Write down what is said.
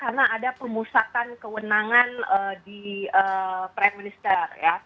karena ada pemusatan kewenangan di prime minister